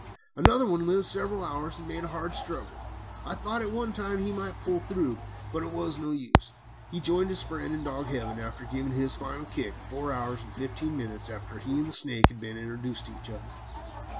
Another one lived several hours, and made a hard struggle. I thought at one time he might pull through, but it was no use. He joined his friend in dog heaven after giving his final kick four hours and fifteen minutes after he and the snake had been introduced to each other.